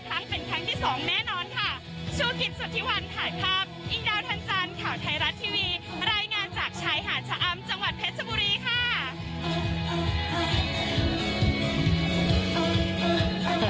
รายงานจากชายหาชะอำจังหวัดเพชรบุรีค่ะ